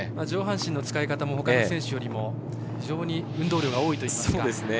上半身の使い方もほかの選手よりも非常に運動量が多いといいますか。